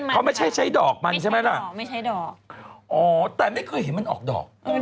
เขาไม่ใช่ใช้ดอกมันใช่ไหมล่ะไม่ใช่ดอกอ๋อแต่ไม่เคยเห็นมันออกดอก